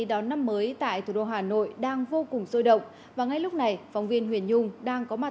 đón năm mới tại thủ đô hà nội đang vô cùng sôi động và ngay lúc này phóng viên huyền nhung đang có mặt